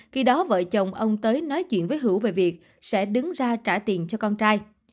khi đó vợ chồng ông tới nói chuyện với hữu về việc sẽ đứng ra trả tiền cho con trai